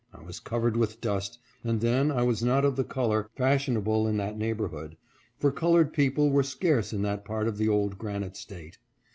I was covered with dust, and then I was not of the color fashionable in that neighborhood, for colored people were scarce in that part of the old Granite State.